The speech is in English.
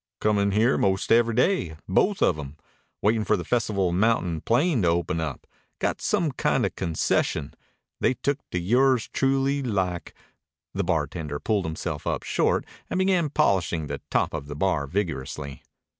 "Come in here 'most every day both of 'em. Waitin' for the Festival of Mountain and Plain to open up. Got some kinda concession. They look to yours truly like " The bartender pulled himself up short and began polishing the top of the bar vigorously.